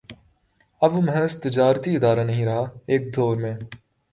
اب وہ محض تجارتی ادارہ نہیں رہا ایک دور میں